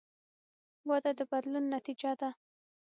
وده د بدلون نتیجه ده.